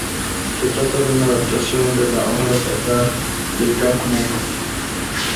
Se trata de una adaptación de la obra teatral de Kaj Munk.